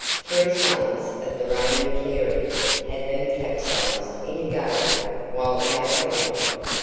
Three sons of the reigning Carey had been capsized in a gale while out yachting.